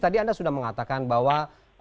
tadi anda sudah mengatakan bahwa